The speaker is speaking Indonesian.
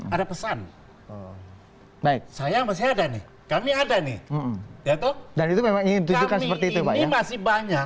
ada pesan baik saya masih ada nih kami ada nih ya toh dan itu memang seperti itu masih banyak